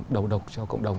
đầu độc cho cộng đồng